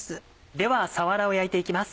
ではさわらを焼いて行きます。